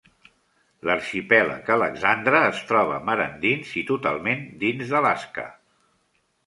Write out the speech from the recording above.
L'arxipèlag Alexandre es troba mar endins i totalment dins d'Alaska.